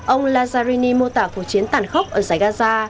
ông lazzarini mô tả cuộc chiến tàn khốc ở giải gaza